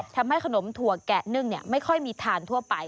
ทำให้ขนมถั่วแกะนึ่งไม่ค่อยมีทานทั่วไป